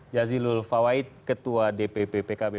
jazilul fawait ketua dpp pkb